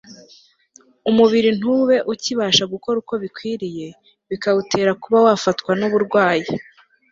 umubiri ntube ukibasha gukora uko bikwiriye, bikawutera kuba wafatwa n'uburwayi